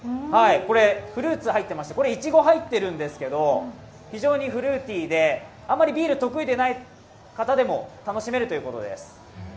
フルーツが入っていまして、これはいちごが入っているんですけど、非常にフルーティーであまりビール得意でない方でも楽しめるということです。